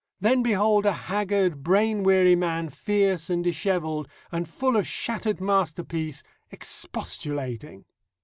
Then behold a haggard, brain weary man, fierce and dishevelled, and full of shattered masterpiece expostulating.